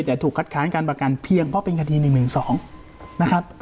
แต่ถูกคัดค้านการประกันเพียงเพราะเป็นคดี๑๑๒นะครับ